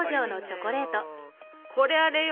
これあれよ！